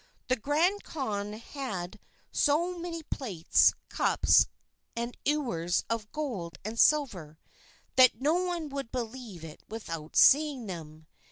The Grand Khan had so many plates, cups, and ewers of gold and silver, that no one would believe it without seeing them.